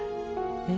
え？